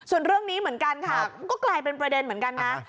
ส่วนเรื่องนี้เหมือนกันค่ะก็กลายเป็นประเด็นเหมือนกันนะ